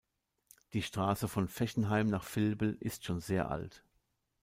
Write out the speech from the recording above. Die Straße von Fechenheim nach Vilbel ist schon sehr alt.